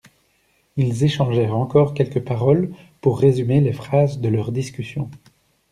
Ils échangèrent encore quelques paroles pour résumer les phases de leur discussion.